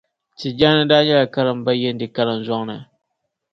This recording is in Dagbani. Tijaani daa nyɛla karimbaYendi karinzoŋ ni.